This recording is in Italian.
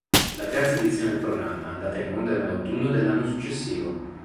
La terza edizione del programma, andata in onda nell'autunno dell'anno successivo.